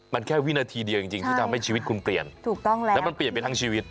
มันแค่วินาทีเดียวจริงที่ทำให้ชีวิตคุณเปลี่ยนถูกต้องแล้วแล้วมันเปลี่ยนไปทั้งชีวิต